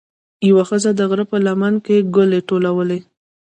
یوه ښځه د غره په لمن کې ګلې ټولولې.